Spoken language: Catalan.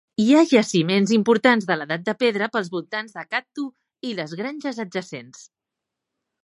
Hi ha jaciments importants de l'edat de pedra pels voltants de Kathu i les granges adjacents.